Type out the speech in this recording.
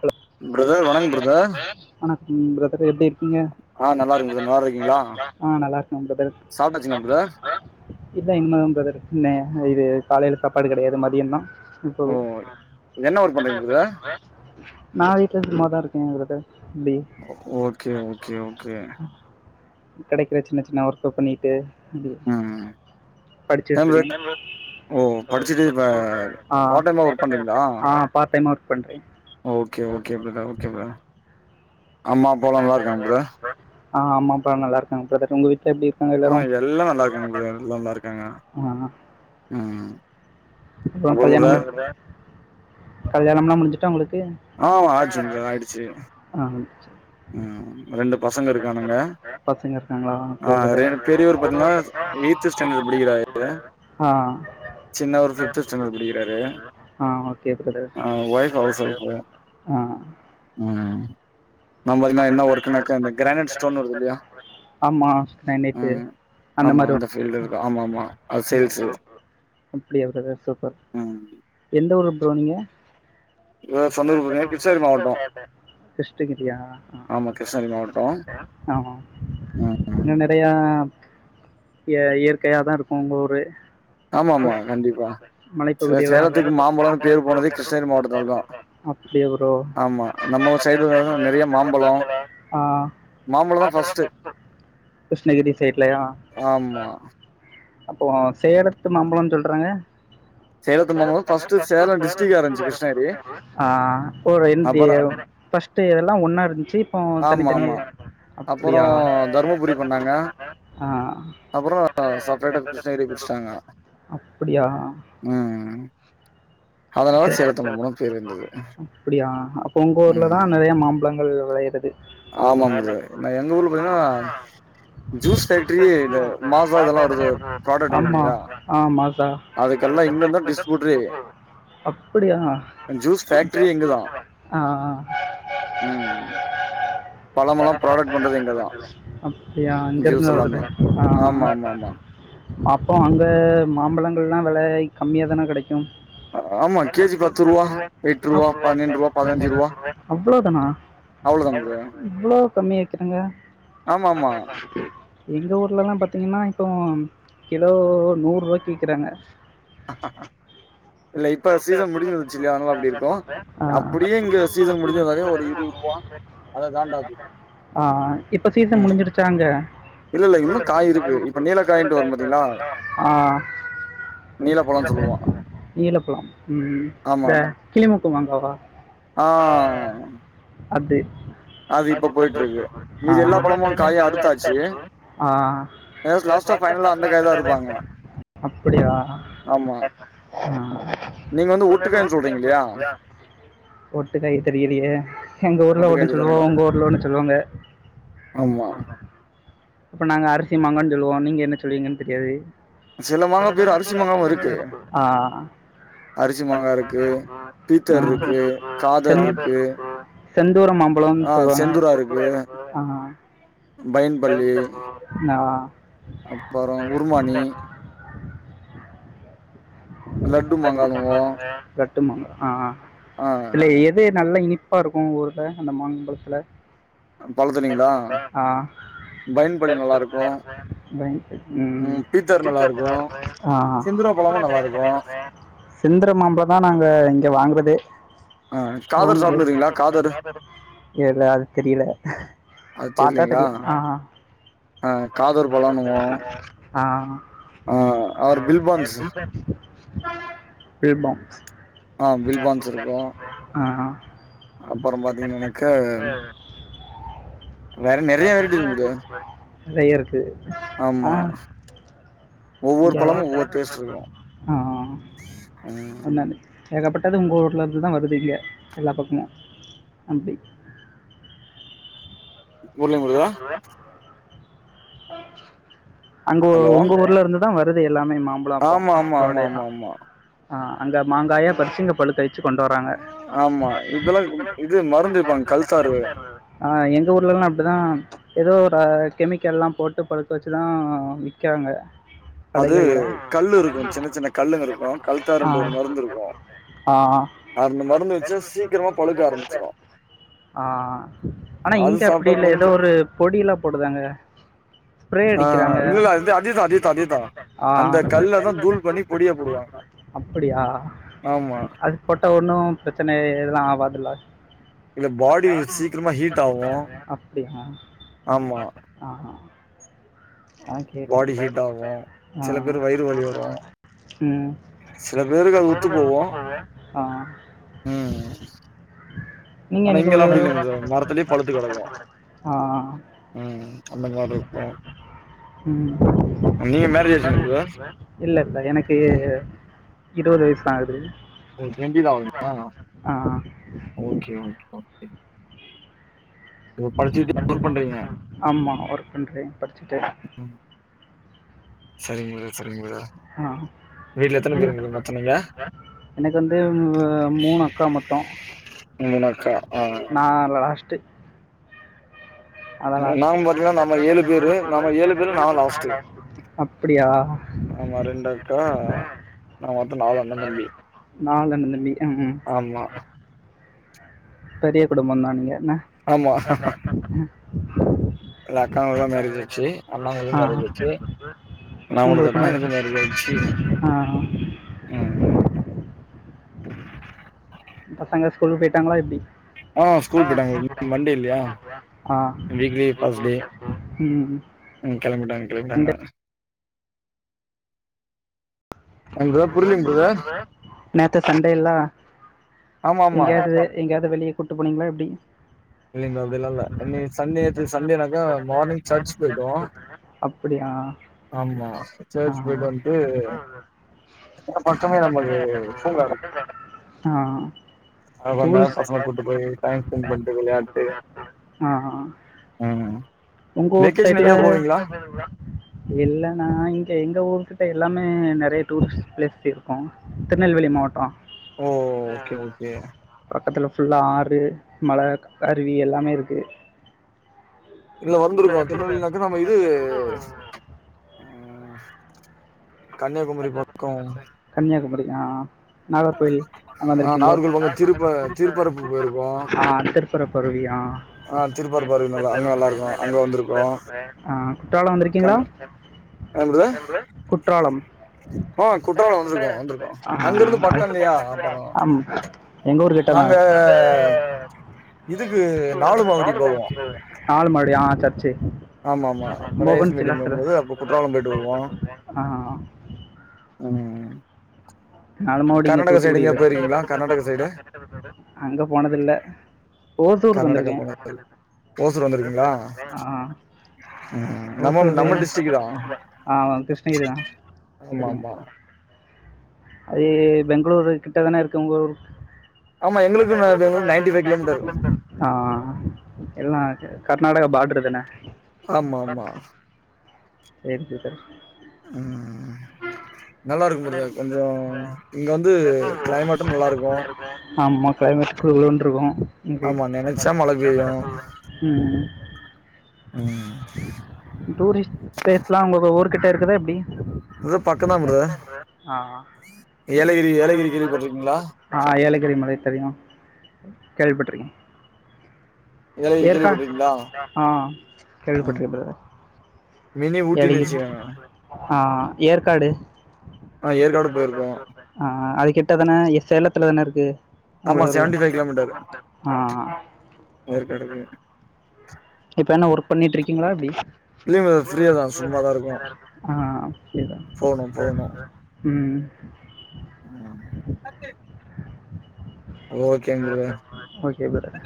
Hello brother வணக்கம் brother வணக்கம் brother எப்டி இருக்கீங் ஆ க்கீங்க நல்லா இருக்க பிரதர் நல்லா இருக்கீங்களா [unintelligible] அ நல்லா இருக்கே ப்ரதர் சாப்ட்டாச்சுங்களா பிரதர் சாப்டாச்சுங்ளா நீங்க இதான் இன்மேதா பிரதர் இது காலையில சாப்பாடு கெடையாது மதியம்தா இப்போ ஓ அ என்ன ஒர்க் வெல பண்றீங்க எத்தன பிரதர் நான் வீட்ல சும்மாதான் இருக்கேங்கறது எப்டி ஓகே ஓகே ஓகே கெடைக்கிற சின்ன சின்ன ஒர்க்கை பண்ணிட்டு உம் ம் படிச்சுட் ஏன் இருக்கே பிரதர் ஓ [unintelligible] படிச்சுட்டு இப்ப பார்ட் டைமா ஒர்க் வாட்டர் டேங்க் பண்றீங்களா பக்கத்துல அ பாத்தே நோட் பண்றே okay okay brother okay brother அம்மா அப்பா லா நல்லா இருக்காங்க பிரதர் ஆ அம்மா அப்பா எல்லா நல்லா இருக்காங்க பிரதர் அ உங்க வீட்ல எப்டி ஆ எல்லாம் நல்லா இருக்காங்க பிரதர் எல்லாம் நல்லா இருக்காங்க ஆ உம் அப்றோம் கல்யாணம் கல்யாணம்னா முடிஞ்சுட்டா உங்களுக்கு ஆ ஆய்டுச்சுங்க ப்ரதர் ஆயிடுச்சு ஆ சேரி உம் ரெண்டு பசங்க இருக்கானுங்க பசங்க இருக்காங்ளா ஆ ரெண்டு பெரியவர் பாத்தீங்கன்னா எய்த் ஸ்டாண்டர்ட் படிக்கிறாரு சின்னவரு ஃபிப்த் ஸ்டாண்டர்ட் படிக்கிறாரு [unintelligible] ஆ ஓகே பிரதர் ஆ ஒய்ஃப் ஆ உம் நம்பல்து என்ன ஒர்க்கனாக்க இந்த கிரானட் ஸ்டோன் வருது இல்லையா ஆமாம் கிரானைட்டு உம் ஆமா மாதிரி அந்த ஒரு பீல்டுல்தான் ஆமா ஆமா சேல்ஸ் வீட்ல இருக்குறது தா சூப்பர் எந்த ஊரு போனீங்க இவ சொந்த ஊர் பாத்தீங்கன்னா கிருஷ்ணகிரி மாவட்டோ கிருஷ்ணகிரியா ஆ ஆமா கிருஷ்ணகிரி மாவட்டம் ம் ம் அப்டியாம் இயற் இயற்கையா தா இருக்கும் ஊரு ஆமா ஆமா கண்டிப்பா சே மலைப்பகுதியெல்லாம் சேலத்துக்கு இருக்கும் மாம்பழம்னு பேரு போனது கிருஷ்ணகிரி மாவட்டத்தல தா அப்படியா ப்ரோ ஆம்மா நம்ம ஊரு சைடுலலா நெறைய மாம் பழம் ஆ மாம்பழம் தா ஃபர்ஸ்ட்டு கிருஷ்ணகிரி சைட்லயா ஆமா அப்போ சேலத்து மாம்பழன் சொல்றாங்க சேலத்து மாம்பழம் ஃபர்ஸ்ட்டு சேலம் டிஸ்ட்ரிக்கா இருந்ச்சு கிருஷ்ணகிரி ஆ ஒரு இன்டு அப்பறோ ஃபர்ஸ்ட்டு இதெல்லா ஒன்னா இருந்துச்சு இப்போ ஆமா ஆமா தனித்தனியா அப்பறோ அப்பிடியா ஆ அப்புறோ சப்ரேட்ட கிருஷ்ணகிரி பிரிஷ்ட்டாங்க அப்படியா ம் அதனால சேலத்து மம்புன்னு பேர் இருந்தது அப்படியா அப்ப உங்க ஊர்லதா நெறைய மாம்பழங்கள் விளையறது ஆமாங் ப்ரோ நா எங்க ஊர்ல பாத்தீன்னா ஜூஸ் ஃபேக்டரி இந்த மாசா இதெல்லா வருது ப்ராடக்ட் ஆமாம் வேனிங்ளா ஆ மாசா அதுக்கெல்லா இங்கந்தா டிஸ்பூட்ரே அப்படியா இங்கதா ஆ ம் ம் [inaudible] இங்கதா அப்டியா ஜூஸ் அங்கருந்தா வருது எல்லாமே ஆ ஆமா ஆமா ஆமா அப்போ அங்க மாம்பழங்கள்லா வெலை கம்மியாதானே கெடைக்கும் ஆம்மா கே ஜி பத்து ரூவா எட்ரூவா பன்னென்ட்ரூவா பதினஞ்சு ரூவா அவ்ளோ தானா அவ்ளோதா ப்ரோ இவ்ளோ கம்மியா விக்கிறங்க ஆமா ஆமா [inaudible] எங்க ஊர்லல்லாம் பாத்தீங்கன்னா இப்போ கிலோ நூரூவாய்க்கு விக்கறாங்க ஆஹ இல்ல இப்ப சீசன் முடிஞ்சிருச்சு இல்யா அதனால அப்டி இருக்கும் ஆ அப்படியே இங்க சீசன் முடிஞ்சதாகே ஒரு இருவ்வரூவா ஆ ஆ இப்ப சீசன் ம் முடிஞ்சிருச்சா அங்க இல்ல இல்ல இன்னு காய் இருக்கு இப்ப நீலக்காயின்ட்டு வரும் பாத்தீங்களா ஆ நீலப்பழம் சொல்லுவோ நீலப்பழம் ம் ம் ஆமா இந்த கிளிமூக்கு மாங்காவா ஆ அடத்து அது இப்ப போயிட்ருக்கு மீதி எல்லா பழமு காயு அறுத்தாச்சு ஆ அதாது லாஸ்ட்டா ஃபைனலா அந்த காய் தா அறுப்பாங்க அப்படியா ஆமா ஆ நீங்க வந்து ஒட்டுக்காய்ன்னு சொல்றீங்க இல்லையா ஒட்டுக்கய் தெரியலையே எங்க ஊர்ல ஒட்டுக்காய் ஒன்னு சொல்லுவோ தெரியாதுல்ல உங்க ஊர்ல ஒன்னு சொல்லுவாங்க ஆமா அப்ப நாங்க அரிசிமாங்கன் சொல்லுவோம் நீங்க என்ன சொல்லுவீங்கன்னு தெரியாது சில மாங்கா பேரும் அரிசி மாங்காவும் இருக்கு ஆ அது அரிசி மாங்கா இருக்கு ஆ. பீத்தர்ருக்கு காதர்ருக்கு செந்தூரம் மாம்பழம் சொல்லுவாங்க இருக்கு பைன்பள்ளி நா அப்பறோ உருமானி லட்டு மாங்கானுவோ கட்டுனோ ஆ ஆ ஆ இதுல எது நல்லா இனிப்பா இருக்கு ஒங்க ஊர்ல அந்த மாங்ம்பழத்துல பழத்துலீங்களா ஆ பைன்பள்ளி நல்லா இருக்கு பிளைன் சேட் ம் பீத்தர் நல்லா இருக்கு ஆ செந்தூரா பழமு நல்லா இருக்கு சிந்திர மாம்பழ தா நாங்க இங்க வாங்குறதே ஆ காதர் ஒங்க சாப்ட்னுருக்கீங்களா காதர் எல்ல அது தெரியல அது பாத்தா தெரியலீங்களா? தெரியு ஆ ஆ காதர் பழோன்னுவோ. ஆ ஆ அவர் ஆ பில்பான்ஸ் பில் பான்ஸ் ஆ பில் பான்ஸ் இருக்கு ஆ ஹா அப்பற பாத்தீங்னா எனக்கு வெரைட்டி இருக்குது. நெறைய இருக்கு ஆ ஆமா. ஒவ்வொரு ஜா பழமும் ஒவ்வொரு டேஸ்ட் இருக்கு. ஆ ஆ ம். அன்ன ஏகப்பட்டது உங்க ஊர்ல இருந்துதா வருது இங்க எல்லா பக்கமு அப்டி ஊர்லயு ஒருதா அங்க ஹலோ உங்க ஊர்ல இருந்துதா வருது எல்லாமே மாம் விலாப்பழ ஆமா, ஆமா, ஆமா, தோடேதா ஆமா, ஆமா. அ அங்க மாங்காய பறிச்சு இங்க பழுக்க வெக் ச்சு கொண்டு வராங்க ஆமா. இதெல்லா இது மருந்து வெப்பாங்க கல்தாரு. ஆ எங்க ஊர்லலாம் அப்டிதா எதோ ஒரு கெமிக்கல்லா போட்டு பழுக்க வெச்சுதா விக்கிறாங்க அது கடைகள்ல கல்லு இருக்கு. சின்ன சின்ன கல்லுங்க இருக்கு. கல்தாருன்ற ஆ ஒரு மருந்து இருக்கு. ஆ அந்த மருந்து வச்சா சீக்கிரமா பழுக்க ஆரம்பிச்சிரு. ஆ ஆனா அது இங்க அப்டி சாப்ட்டா இல்ல எதோ கொஞ்சோ ஒரு பொடிலா போடுதாங்க ஸ்பிரே ஆ அடிக்கிறாங்க இல்ல இல்ல அது அதேதா அதேதா அதேதா. ஆ அந்த கல்ல தான் தூள் பண்ணி பொடியா போடுவாங்க. அப்பிடியா ஆமா அது போட்டா ஒன்னு பிரச்சன எதுலா ஆவாதுல்ல இல்ல பாடி சீக்கிரமா ஹீட் ஆகு அப்டியா ஆமா ஆ ஆ கேட்டே பாடி ஹீட் ஆகு ஆ சில பேர் வயிறு வலி வரு ம் சில பேருக்கு அது ஒத்து போவு ஆ ம் நீங்க ஆனா இங்கெல்லா அன்னைக்குவே அப்டி இல்லைங்க பிரதர் மரத்துலயே பழுத்து கெடக்கு ஆ ம் அந்த மாரி இருக்கு ம் அ நீங்க மேரேஜ் ஆய்ர்ச்சுங்ளா உங்களுக்கு இல்ல இப்ப எனக்கு இருவது வயசுதா ஆகுது ஓ டுவென்டிதா ஆவுதா ஆ ஓகே ஓகே ஓகே இப்ப படிச்சுக்கிட்டே ஒர்க் பண்றீங்க ஆமா ஒர்க் பண்றே படிச்சுக்கிட்டே ம் சரிங்க பிரதர் சரிங்க பிரதர் ஆ வீட்ல எத்தன நீ- பேரு மொத்தமே எனக்கு வந்து உ மூணு அக்கா மொத்த மூணு அக்கா ஆ நா லாஸ்ட்டு நா தா நாங்க பாத்தீங்கன்னா நம்ம ஏழு லாஸ்ட்டு பேரு நம்ம ஏழு பேரு நா லாஸ்ட்டு அப்டியா ஆமா ரெண்டக்கா ஆக மொத்தோ நாலு அண்ண தம்பி நாலு அண்ணன் தம்பி ம் ம். ஆமா பெரிய குடும்ப தா நீங்க ஆமா இல்ல அக்காங்களுக்குலா மேரேஜ் ஆயிடுச்சு அண்ணாங்களுக்கு மேரேஜ் அ ஆயிடுச்சு நா உங்ளுக்கா மட்டுந்தா எனக்கு மேரேஜ் ஆயிடுச்சு அ ம் பசங்க ஸ்கூலுக்கு பொயிட்டாங்ளா எப்டி ஆ ஸ்கூல் பொயிட்டாங்க இன்னைக்கு மண்டே இல்லியா ஆ வீக்லி ஃபஸ்ட் டே ம் ம் கெளம்பிடாங்க கெளம்பிடாங்க சண்டே உங்களுக்குதா புரியலீங்க பிரதர் நேத்து சண்டே இல்ல ஆமா ஆமா எங்கயாது எங்கயாது வெளிய கூட்டு போனீங்ளா எப்டி இல்லிங்க அப்டிலா இல்ல சண்டே நேத்து சண்டேனாக்கா மார்னிங் சர்ச் பொயிட்டோ அப்படியா ஆமா சேர்ச் பொய்ட்டு வந்ட்டு பக்கமே நமக்கு பூங்கா இருக்கு அ அங்க கொஞ்ச நேரோ டூல்ஸ் பசங்கள கூட்டு போய் டைம் ஸ்பெண்ட் அ பண்ட்டு விளையாட்டு அ ம் உங்க ஊர் வெக்கேஷன் சைட்ல எங்கயா போவீங்களா இல்ல நா இங்க எங்க ஊர் கிட்ட எல்லாமே நெறைய டூரிஸ்ட் பிளேஸ் இருக்கு திருநெல்வேலி மாவட்டோ ஓ ஓகே ஓகே பக்கத்துல ஃபுல்லா ஆறு மல அருவி எல்லாமே இருக்கு இல்ல வந்ருக்கோ திருநெல்வேலினாக்கா நம்ம இது அ கன்னியாகுமரி அ நாகர்கோவில் அங்க ஆ வந்ருக்கீங்ளோ நாகர்கோவில் பக்கம் திருப்ப திருப்பரப்பு போயிருக்கோ ஆ திர் திற்பரப்பு அருவியா ஆ திற்பரப்பு அருவி அங்க நல்லா இருக்கு அங்க வந்ருக்கோ அ குற்றாலம் வந்ருக்கீங்ளா என்னது குற்றாலம் ஆ வந்திருக்கோ குற்றாலம் வந்ருக்கே வந்திருக்கோ ஆ அங்கிருந்து பக்கம் நம்மூர் இல்லையா பக்தலதா அப்புறோ எங்க ஊர் கிட்டதா நாங்க இதுக்கு நாலுமாவடி போவோ நாலுமாடி ஆ சர்ச் ஆமா ஆமா மோகன் பிரேயர்ஸ் சி மீட்டிங்கும் போது லாசரஸ் அப்ப குற்றாலம் போயிட்டு வருவோ அ ம் நாலுமாவடி இங்க கர்நாடகா சைடு தூத்துக்குடில எங்கயா போயிருக்கீங்களா கர்நாடகா சைடு அங்க போனதில்ல ஓசூர்கு கர்நாடகா வந்ருக்கே போனது ஓசூர் வந்திருக்கீங்களா ஆ ம் நம்ம ஓசூரு நம்ம டிஸ்ட்ரிக் தா அ கிருஷ்ணகிரி தா ஆமா ஆமா அது பெங்களூரு கிட்ட தானே இருக்கு உங்க ஊர் ஆமா எங்ளுக்கு பெங்ளூர்க்கு நைன்டி ஃபைவ் கிலோமீட்டர் இருக்கு அ எல்லா கர்நாடகா பாட்ரு தானே ஆமா ஆமா [unintelligible] நல்லாருக்கு பிரதர் கொஞ்சோ இங்க வந்து கிளைமேட்டு நல்லா இருக்கு ஆமாம் கிளைமேட் குளு குளுன்ருக்கு ஆமா நெனைச்சா மழ பெய்யு ம் ம் டூரிஸ்ட் பிளேஸ்லா உங்க ஊர்கிட்ட இருக்குதா எப்டி பக்கதா ப்ரதர் ஏலகிரி ஏலகிரி கேள்வி பட்ருக்கீங்ளா ஆ ஏலகிரி மலை தெரியு கேள்விபட்ருக்கே ஏலகிரி ஏற்கா கேள்விப்பட்ருக்கீங்களா ஆ ம் கேள்விபட்ருக்கே பிரதர் மினி ஊட்டினு ஏலகிரி வச்சுக்கோங்க ஆ ஏற்காடு ஆ ஏற்காடு போயிருக்கோ ஆ அது கிட்ட தான சேலத்துல தான இருக்கு உங்க ஆமா ஒரு செவன்டி ஃபைவ் ஆ ஆ ஏற்காடுவே இப்ப என்ன ஒர்க் பண்ணிட்டு இருக்கீங்களா எப்டி இல்லைங்க பிரதர் ஃப்ரீயா தா சும்மாதா இருக்கு ஆ புரிது போணு போணு ம் ம் ஓகேங்க ப்ரோ ஓகே பிரதர்